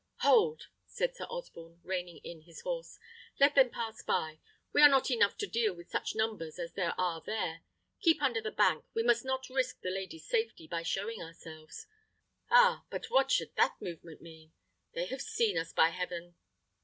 "Hold!" said Sir Osborne, reining in his horse. "Let them pass by. We are not enough to deal with such numbers as there are there. Keep under the bank; we must not risk the lady's safety by showing ourselves. Ah! but what should that movement mean? They have seen us, by heaven!